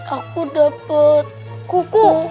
aku dapet kuku